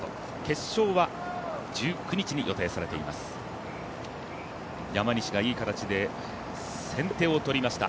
決勝は１９日に予定されています。